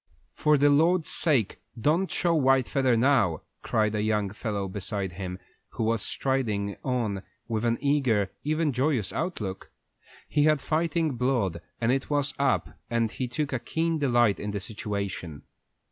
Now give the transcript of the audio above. "For the Lord's sake, don't show the white feather now!" cried a young fellow beside him, who was striding on with an eager, even joyous outlook. He had fighting blood, and it was up, and he took a keen delight in the situation.